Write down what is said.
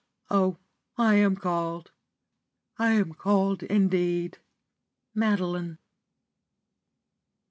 Oh, I am called, I am called, indeed! "MADELINE."